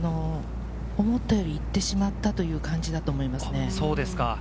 思ったより行ってしまったという感じたと思います。